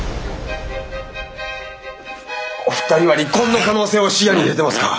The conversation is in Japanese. お二人は離婚の可能性を視野に入れてますか？